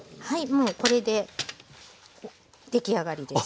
もうこれで出来上がりです。